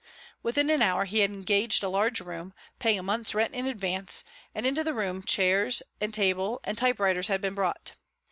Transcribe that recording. Within an hour he had engaged a large room, paying a month's rent in advance, and into the room chairs and table and typewriters had been brought.